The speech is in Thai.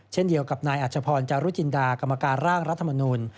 เช่นเดียวกับนายอัชพรจารุจินดากรรมการร่างรัฐมนุน